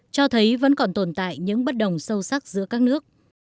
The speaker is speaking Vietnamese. cho thấy vẫn còn tồn tại những bất đồng sâu sắc giữa các nước